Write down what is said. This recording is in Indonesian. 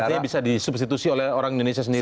artinya bisa disubstitusi oleh orang indonesia sendiri